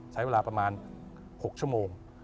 ใช้เวลาประมาณ๖ชั่วโมง